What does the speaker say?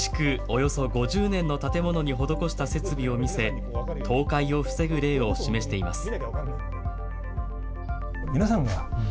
およそ５０年の建物に施した設備を見せ、倒壊を防ぐ例を示しています。